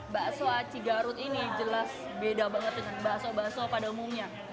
bakso aci garut ini jelas beda banget dengan bakso bakso pada umumnya